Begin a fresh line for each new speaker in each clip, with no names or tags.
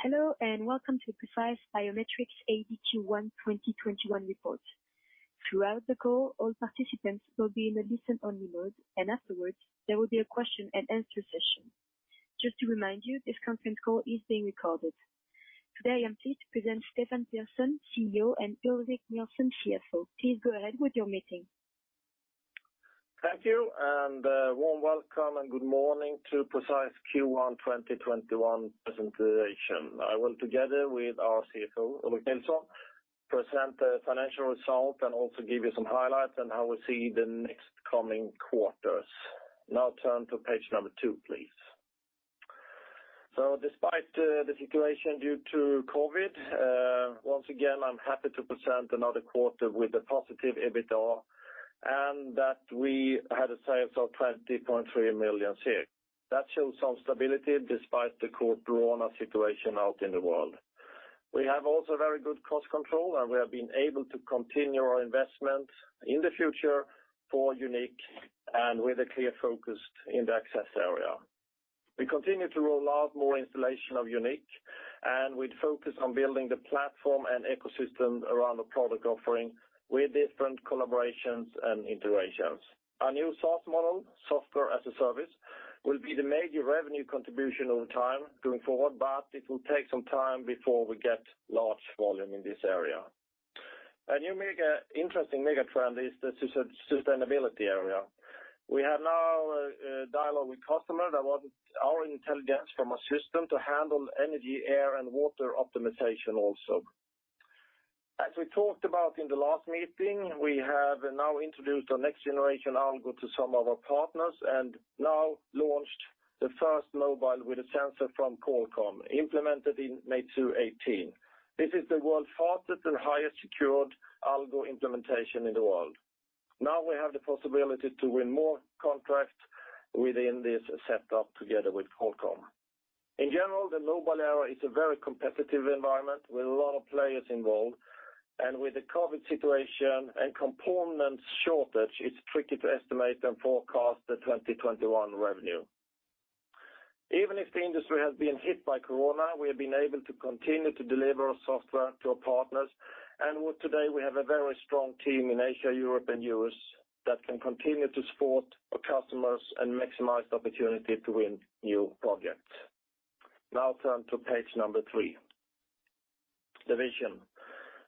Hello, and welcome to Precise Biometrics AB Q1 2021 report. Throughout the call, all participants will be in the listen only mode, and afterwards there will be a question and answer session. Just to remind you, this conference call is being recorded. Today I'm pleased to present Stefan Persson, CEO, and Ulrik Nilsson, CFO. Please go ahead with your meeting.
Thank you, a warm welcome and good morning to Precise Q1 2021 presentation. I will, together with our CFO, Ulrik Nilsson, present the financial results and also give you some highlights on how we see the next coming quarters. Turn to page number two, please. Despite the situation due to COVID, once again, I'm happy to present another quarter with a positive EBITDA, and that we had sales of 20.3 million. That shows some stability despite the situation out in the world. We have also very good cost control, and we have been able to continue our investment in the future for YOUNiQ and with a clear focus in the access area. We continue to roll out more installation of YOUNiQ, and we focus on building the platform and ecosystem around the product offering with different collaborations and integrations. Our new SaaS model, software as a service, will be the major revenue contribution over time going forward, but it will take some time before we get large volume in this area. A new interesting mega trend is the sustainability area. We have now a dialogue with customers that want our intelligent camera system to handle energy, air, and water optimization also. As we talked about in the last meeting, we have now introduced our next generation Algo to some of our partners, and now launched the first mobile with a sensor from Qualcomm, implemented in Meizu 18. This is the world's fastest and highest secured Algo implementation in the world. Now we have the possibility to win more contracts within this setup together with Qualcomm. In general, the mobile area is a very competitive environment with a lot of players involved, and with the COVID situation and component shortage, it's tricky to estimate and forecast the 2021 revenue. Even if the industry has been hit by corona, we have been able to continue to deliver our software to our partners, and today we have a very strong team in Asia, Europe, and U.S., that can continue to support our customers and maximize the opportunity to win new projects. Now turn to page number three. The vision.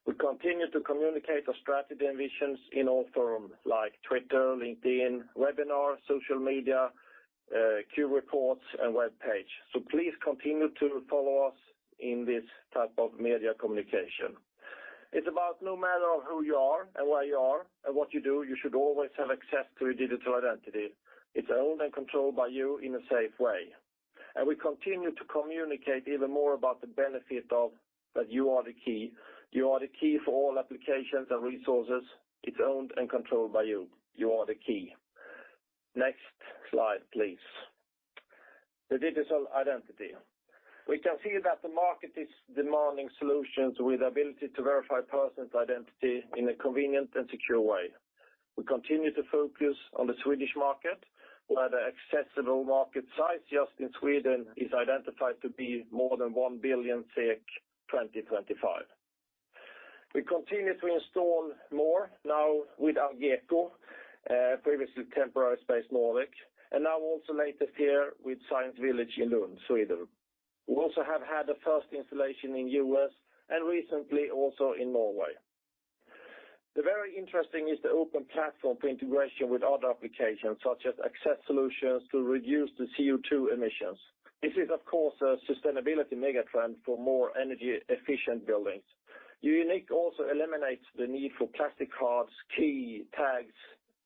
We continue to communicate our strategy and visions in all forums like Twitter, LinkedIn, webinars, social media, Q reports, and webpage. Please continue to follow us in this type of media communication. It's about no matter who you are and where you are and what you do, you should always have access to your digital identity. It's owned and controlled by you in a safe way. We continue to communicate even more about the benefit of that you are the key. You are the key for all applications and resources. It's owned and controlled by you. You are the key. Next slide, please. The digital identity. We can see that the market is demanding solutions with ability to verify a person's identity in a convenient and secure way. We continue to focus on the Swedish market, where the accessible market size just in Sweden is identified to be more than 1 billion 2025. We continue to install more now with Algeco, previously Temporary Space Nordics, and now also later here with Science Village in Lund, Sweden. We also have had the first installation in U.S. and recently also in Norway. The very interesting is the open platform for integration with other applications such as access solutions to reduce the CO2 emissions. This is of course a sustainability mega trend for more energy-efficient buildings. YOUNiQ also eliminates the need for plastic cards, key tags,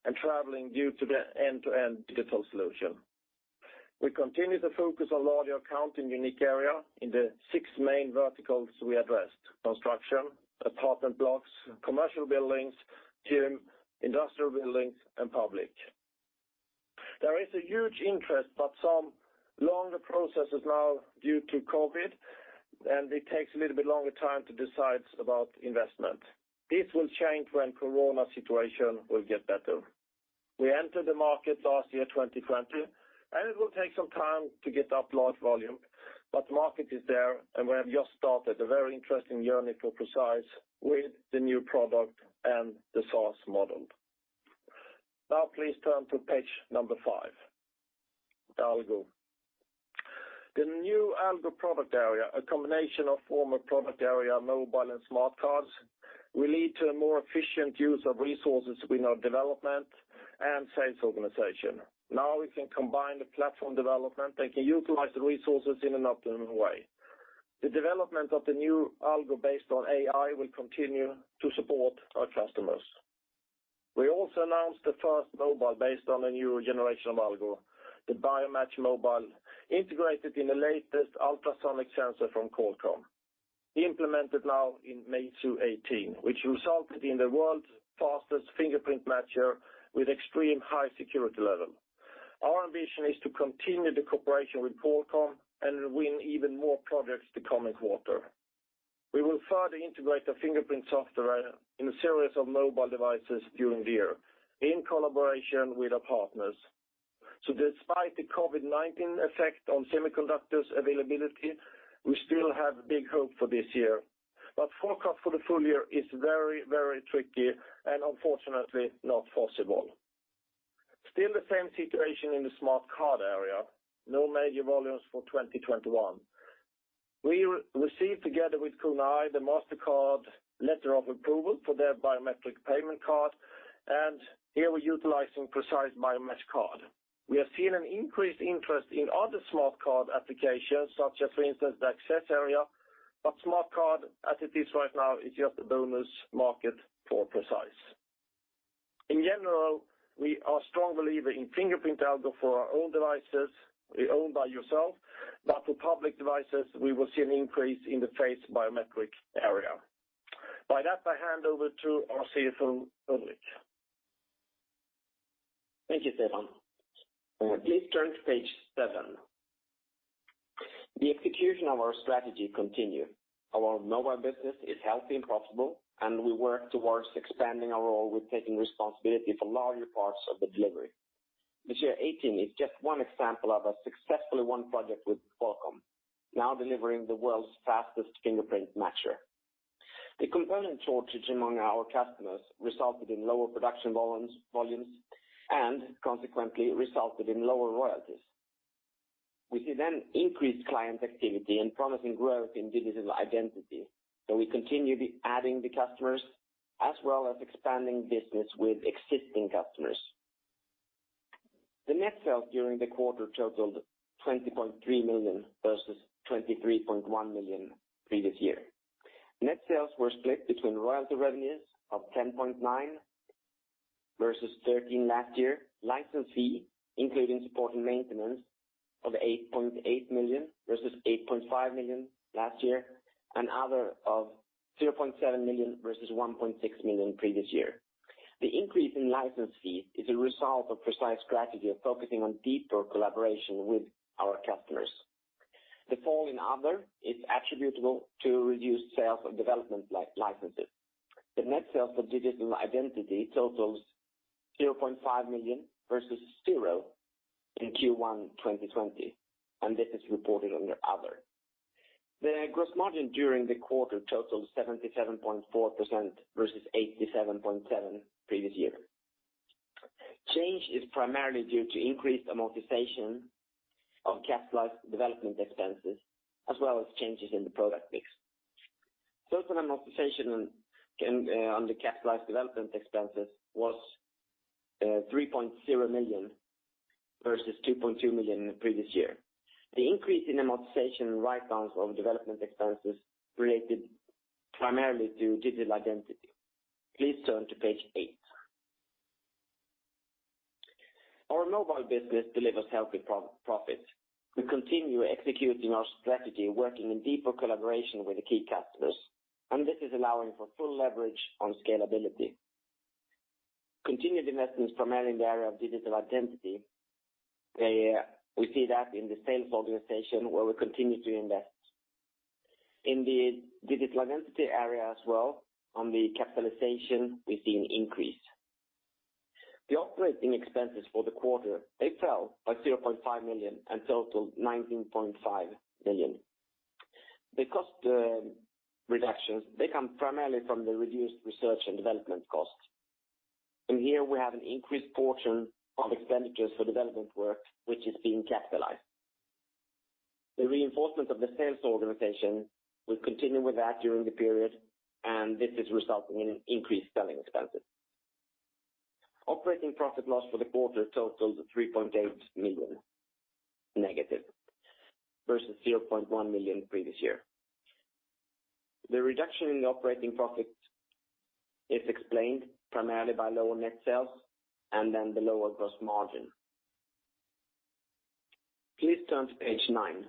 and traveling due to the end-to-end digital solution. We continue to focus on larger accounts in YOUNiQ area in the six main verticals we addressed, construction, apartment blocks, commercial buildings, gym, industrial buildings, and public. There is a huge interest, but some longer processes now due to COVID, and it takes a little bit longer time to decide about investment. This will change when corona situation will get better. We entered the market last year 2020, and it will take some time to get up large volume, but market is there, and we have just started a very interesting journey for Precise with the new product and the SaaS model. Now please turn to page number five. Algo. The new Algo product area, a combination of former product area mobile and smart cards, will lead to a more efficient use of resources between our development and sales organization. Now we can combine the platform development and can utilize the resources in an optimal way. The development of the new Algo based on AI will continue to support our customers. We also announced the first mobile based on the new generation of Algo, the BioMatch Mobile, integrated in the latest ultrasonic sensor from Qualcomm, implemented now in Meizu 18, which resulted in the world's fastest fingerprint matcher with extreme high security level. Our vision is to continue the cooperation with Qualcomm and win even more projects the coming quarter. We will further integrate the fingerprint software in a series of mobile devices during the year in collaboration with our partners. Despite the COVID-19 effect on semiconductors availability, we still have big hope for this year. Forecast for the full year is very tricky and unfortunately not possible. Still the same situation in the smart card area, no major volumes for 2021. We received together with KONA I, the Mastercard letter of approval for their biometric payment card, here we're utilizing Precise BioMatch Card. We have seen an increased interest in other smart card applications such as, for instance, the access area, but smart card as it is right now is just a bonus market for Precise. In general, we are strong believer in fingerprint algo for our own devices, owned by yourself, but for public devices, we will see an increase in the face biometric area. By that, I hand over to our CFO, Ulrik.
Thank you, Stefan. Please turn to page seven. The execution of our strategy continue. Our mobile business is healthy and profitable, and we work towards expanding our role with taking responsibility for larger parts of the delivery. The Meizu 18 is just one example of a successfully won project with Qualcomm, now delivering the world's fastest fingerprint matcher. The component shortage among our customers resulted in lower production volumes and consequently resulted in lower royalties. We see then increased client activity and promising growth in digital identity, so we continue adding the customers as well as expanding business with existing customers. The net sales during the quarter totaled 20.3 million versus 23.1 million previous year. Net sales were split between royalty revenues of 10.9 million versus 13 million last year, license fee, including support and maintenance of 8.8 million versus 8.5 million last year, and other of 0.7 million versus 1.6 million previous year. The increase in license fee is a result of Precise strategy of focusing on deeper collaboration with our customers. The fall in other is attributable to reduced sales of development licenses. The net sales for digital identity totals 0.5 million versus zero in Q1 2020, and this is reported under other. The gross margin during the quarter totaled 77.4% versus 87.7% previous year. Change is primarily due to increased amortization of capitalized development expenses, as well as changes in the product mix. Total amortization on the capitalized development expenses was 3.0 million versus 2.2 million previous year. The increase in amortization write-downs of development expenses related primarily to digital identity. Please turn to page eight. Our mobile business delivers healthy profits. We continue executing our strategy, working in deeper collaboration with the key customers, and this is allowing for full leverage on scalability. Continued investments primarily in the area of digital identity, we see that in the sales organization where we continue to invest. In the digital identity area as well, on the capitalization, we've seen increase. The operating expenses for the quarter, they fell by 0.5 million and totaled 19.5 million. The cost reductions, they come primarily from the reduced research and development costs. Here we have an increased portion of expenditures for development work, which is being capitalized. The reinforcement of the sales organization will continue with that during the period, and this is resulting in increased selling expenses. Operating profit loss for the quarter totaled -3.8 million versus 0.1 million previous year. The reduction in operating profit is explained primarily by lower net sales and then the lower gross margin. Please turn to page nine.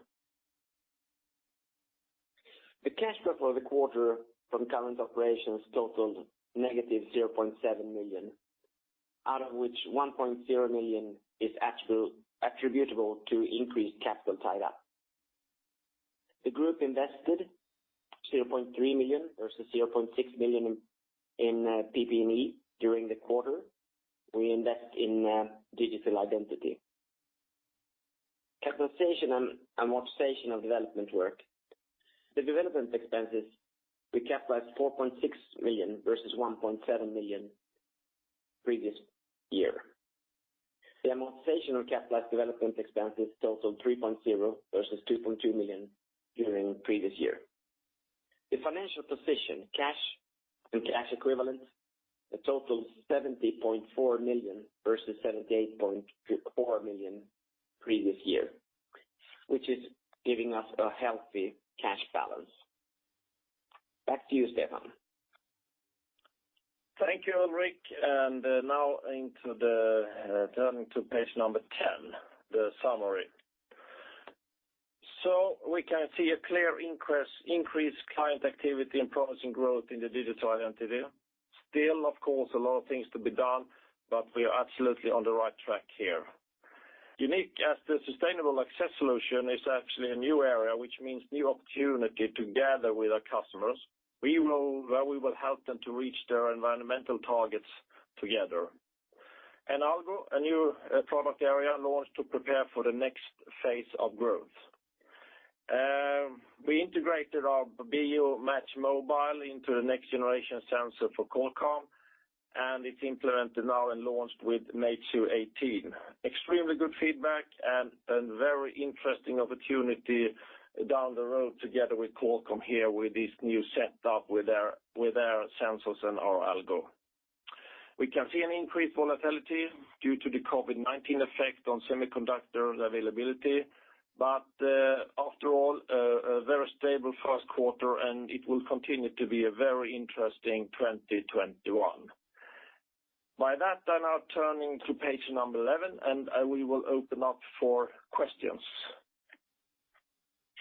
The cash flow for the quarter from current operations totaled -0.7 million, out of which 1.0 million is attributable to increased capital tied up. The group invested 0.3 million versus 0.6 million in PP&E during the quarter. We invest in digital identity. Capitalization and amortization of development work. The development expenses, we capitalized 4.6 million versus 1.7 million previous year. The amortization of capitalized development expenses totaled 3.0 versus 2.2 million during the previous year. The financial position, cash and cash equivalent, a total 70.4 million versus 78.4 million previous year, which is giving us a healthy cash balance. Back to you, Stefan.
Thank you, Ulrik. Turning to page number 10, the summary. We can see a clear increased client activity and promising growth in the digital identity. Still, of course, a lot of things to be done, but we are absolutely on the right track here. YOUNiQ as the sustainable access solution is actually a new area, which means new opportunity together with our customers, where we will help them to reach their environmental targets together. Algo, a new product area launched to prepare for the next phase of growth. We integrated our BioMatch Mobile into the next generation sensor for Qualcomm, and it's implemented now and launched with Meizu 18. Extremely good feedback and very interesting opportunity down the road together with Qualcomm here with this new setup with their sensors and our Algo. We can see an increased volatility due to the COVID-19 effect on semiconductor availability, but after all, a very stable first quarter, and it will continue to be a very interesting 2021. By that, I'm now turning to page number 11, and we will open up for questions.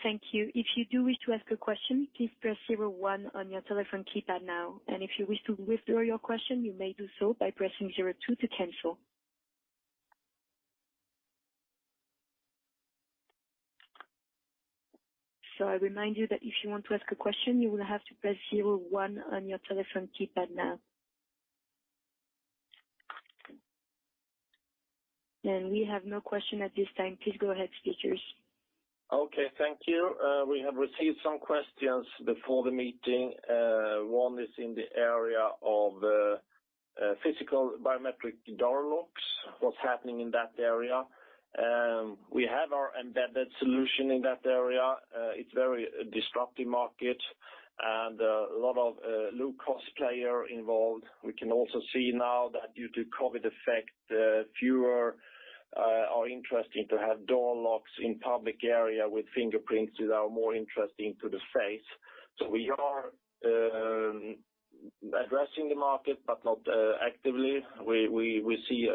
Thank you. If you do wish to ask a question, please press zero, one on your telephone keypad now. If you wish to withdraw your question, you may do so by pressing zero, two to cancel. I remind you that if you want to ask a question, you will have to press zero, one on your telephone keypad now. We have no question at this time. Please go ahead, speakers.
Okay. Thank you. We have received some questions before the meeting. One is in the area of physical biometric door locks, what's happening in that area? We have our embedded solution in that area. It's very disruptive market and a lot of low-cost player involved. We can also see now that due to COVID effect, fewer are interested to have door locks in public area with fingerprints that are more interesting to the face. We are addressing the market, but not actively. We see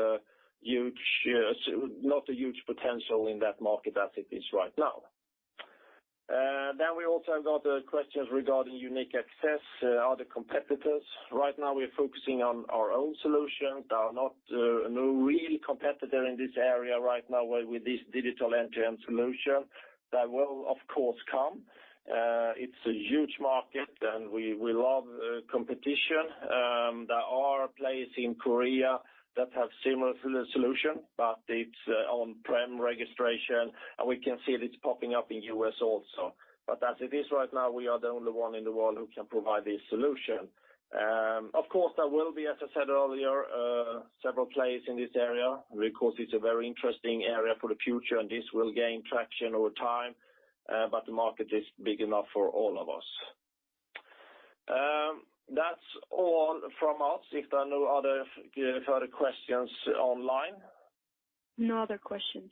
not a huge potential in that market as it is right now. We also got questions regarding YOUNiQ access. Are there competitors? Right now we are focusing on our own solution. There are no real competitor in this area right now with this digital entrance solution. That will, of course, come. It's a huge market, and we love competition. There are players in Korea that have similar solution, but it's on-prem registration, and we can see this popping up in U.S. also. As it is right now, we are the only one in the world who can provide this solution. Of course, there will be, as I said earlier, several players in this area because it's a very interesting area for the future, and this will gain traction over time, but the market is big enough for all of us. That's all from us. If there are no other further questions online.
No other questions.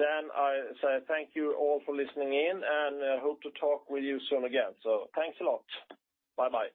I say thank you all for listening in, and I hope to talk with you soon again. Thanks a lot. Bye-bye.